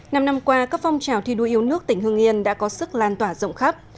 năm năm qua các phong trào thi đua yêu nước tỉnh hương yên đã có sức lan tỏa rộng khắp